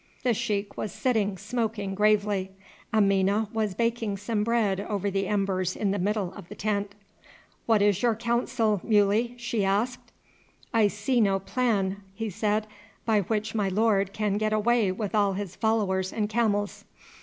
The sheik was sitting smoking gravely. Amina was baking some bread over the embers in the middle of the tent. "What is your counsel, Muley?" she asked. "I see no plan," he said, "by which my lord can get away with all his followers and camels.